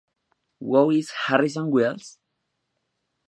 Who is Harrison Wells?